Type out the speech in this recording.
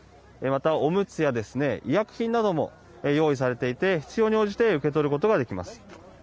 また、おむつや医薬品なども用意されていて、必要に応じて受け取ることができます。